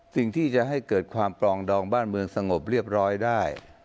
สิ่งที่จะให้เกิดความปลองดองบ้านเมืองสงบเรียบร้อยได้